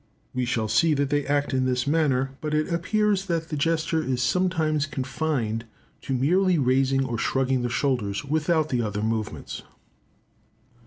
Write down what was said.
We shall see that they act in this manner; but it appears that the gesture is sometimes confined to merely raising or shrugging the shoulders, without the other movements.